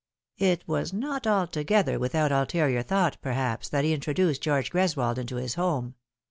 It was not altogether without ulterior thought, perhaps, that he introduced George Greswold into his home.